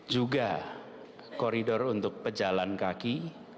juga koridor untuk pejalan kaki